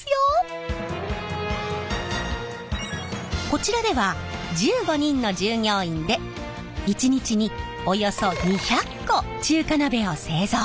こちらでは１５人の従業員で１日におよそ２００個中華鍋を製造。